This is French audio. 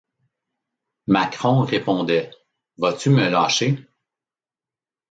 Macqueron répondait: — Vas-tu me lâcher!...